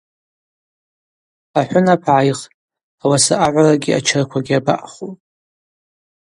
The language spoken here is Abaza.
Ахӏвынап гӏайхтӏ, ауаса агӏварагьи ачырквагьи абаъаху.